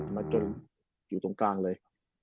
จนอยู่ตรงกลางเลย